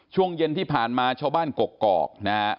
ช่วงเย็นที่ผ่านมาชาวบ้านกกอกนะฮะ